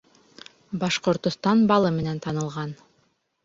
Башҡортостан балы менән танылған